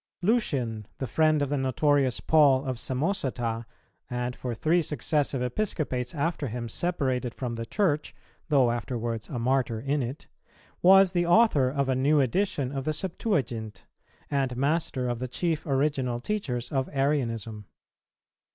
Lucian, the friend of the notorious Paul of Samosata, and for three successive Episcopates after him separated from the Church though afterwards a martyr in it, was the author of a new edition of the Septuagint, and master of the chief original teachers of Arianism.